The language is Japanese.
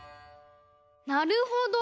なるほど。